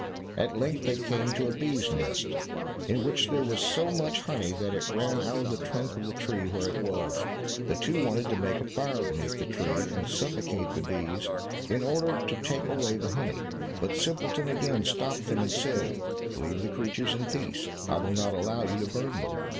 At length they came to a bee's nest, in which there was so much honey that it ran out of the trunk of the tree where it was. The two wanted to make a fire beneath the tree, and suffocate the bees in order to take away the honey, but Simpleton again stopped them and said, "Leave the creatures in peace, I will not allow you to burn them."